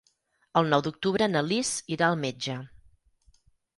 El nou d'octubre na Lis irà al metge.